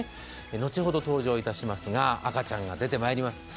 後ほど登場いたしますが、赤ちゃんが出てまいります。